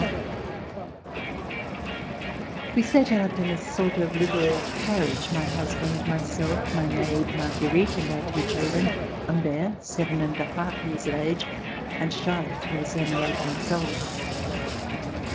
[ 267 ] RECOLLECTIONS OF THE REVOLUTION We set out in a sort of little carriage, my husband, myself, my maid Marguerite and our two children: Humbert, seven and a half years of age and Charlotte who was only eight months old.